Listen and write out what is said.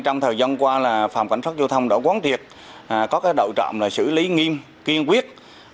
trong thời gian qua phòng cảnh sát giao thông đã quán thiệt có đội trọng xử lý nghiêm kiên quyết